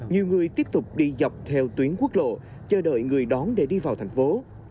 nhiều người tiếp tục đi dọc theo tuyến quốc lộ chờ đợi người đón để đi vào thành phố